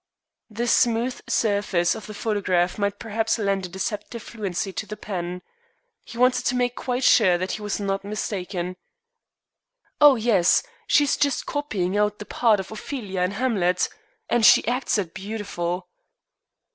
The smooth surface of the photograph might perhaps lend a deceptive fluency to the pen. He wanted to make quite sure that he was not mistaken. "Oh yes. She's just copying out the part of Ophelia in Hamlet. And she acts it beautiful."